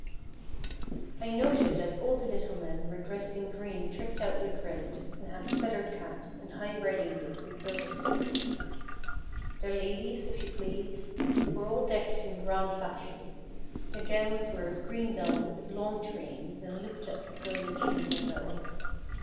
I noted that all the little men were dressed in green tricked out with red, and had feathered caps and high riding boots with silver spurs. Their ladies, if you please, were all decked in grand fashion their gowns were of green velvet with long trains and looped up with silver chains and bells.